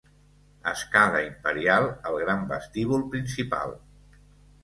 Escala imperial al gran vestíbul principal.